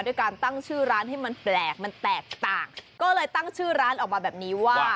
ด้วยการตั้งชื่อร้านให้มันแปลกมันแตกต่างก็เลยตั้งชื่อร้านออกมาแบบนี้ว่า